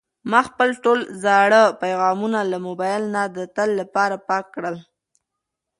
ما خپل ټول زاړه پیغامونه له موبایل نه د تل لپاره پاک کړل.